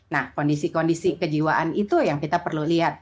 nah kondisi kondisi kejiwaan itu yang kita perlu lihat